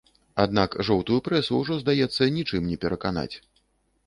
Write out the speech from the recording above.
Аднак жоўтую прэсу ўжо, здаецца, нічым не пераканаць.